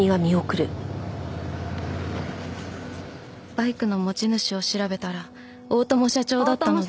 バイクの持ち主を調べたら大友社長だったので。